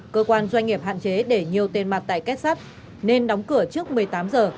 cơ quan doanh nghiệp hạn chế để nhiều tên mặt tại kết sát nên đóng cửa trước một mươi tám h